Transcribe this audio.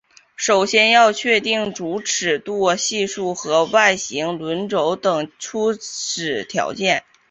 首先要确定主尺度系数和外形轮廓等初始条件。